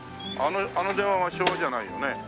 あの電話は昭和じゃないよね。